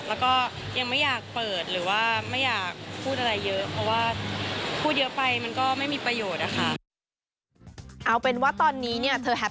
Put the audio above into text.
แล้วก็ยังไม่อยากเปิดหรือว่าไม่อยากพูดอะไรเยอะ